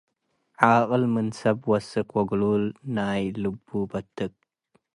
ዓቅል ምን ሰብ ወስክ ወግሉል ናይ ልቡ በትክ።